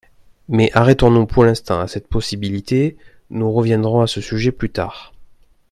Mais arrêtons-nous pour l’instant à cette possibilité, nous reviendrons à ce sujet plus tard.